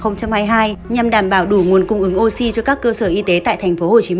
nhằm đảm bảo đủ nguồn cung ứng oxy cho các cơ sở y tế tại tp hcm